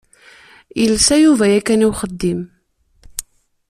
Yelsa Yuba yakan i uxeddim.